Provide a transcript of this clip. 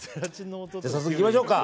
早速いきましょうか。